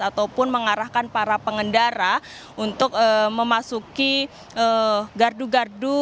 ataupun mengarahkan para pengendara untuk memasuki gardu gardu